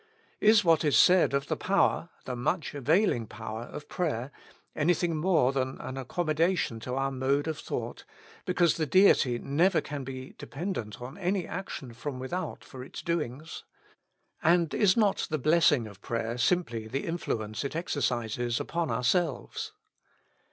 Is what is said of the power — the much avail ing power — of prayer anything more than an accom modation to our mode of thought, because the Deity never can be dependent on any action from without for its doings ? And is not the blessing of prayer simply the influence it exercises upon ourselves